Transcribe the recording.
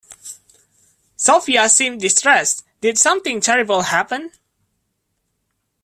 Sophia seemed distressed, did something terrible happen?